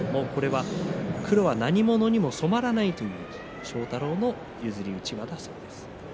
黒はなにものにも染まらないという庄太郎のうちわだそうです。